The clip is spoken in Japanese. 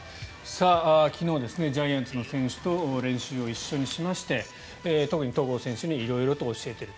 昨日ジャイアンツの選手と練習を一緒にしまして特に戸郷選手に色々と教えていると。